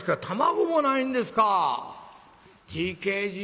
卵もないんですか。